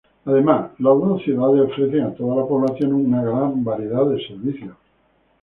Además, las dos ciudades ofrecen a toda la población una gran variedad de servicios.